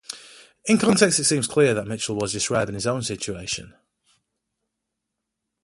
In context, it seems clear that Mitchell was describing his own situation.